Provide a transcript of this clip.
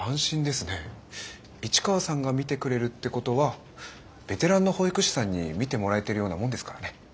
市川さんが見てくれるってことはベテランの保育士さんに見てもらえてるようなもんですからね。